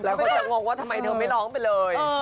แล้วก็จะงงว่าทำไมเธอไม่ร้องไปเลย